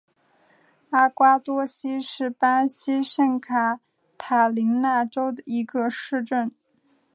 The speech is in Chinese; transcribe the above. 阿瓜多西是巴西圣卡塔琳娜州的一个市镇。